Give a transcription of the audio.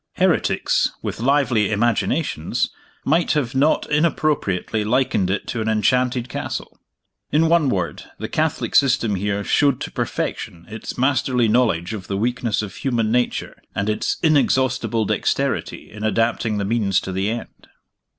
Heretics, with lively imaginations, might have not inappropriately likened it to an enchanted castle. In one word, the Catholic system here showed to perfection its masterly knowledge of the weakness of human nature, and its inexhaustible dexterity in adapting the means to the end.